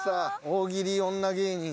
大喜利女芸人。